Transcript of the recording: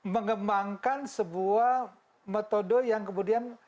mengembangkan sebuah metode yang kemudian